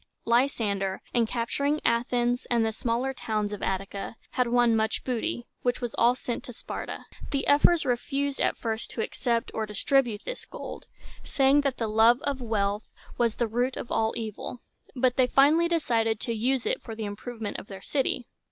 Lysander, in capturing Athens and the smaller towns of Attica, had won much booty, which was all sent to Sparta. The ephors refused at first to accept or distribute this gold, saying that the love of wealth was the root of all evil; but they finally decided to use it for the improvement of their city.